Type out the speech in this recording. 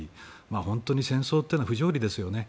本当に戦争というのは不条理ですよね。